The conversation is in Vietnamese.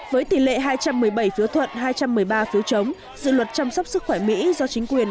với tỷ lệ hai trăm một mươi bảy phiếu thuận hai trăm một mươi ba phiếu chống dự luật chăm sóc sức khỏe mỹ do chính quyền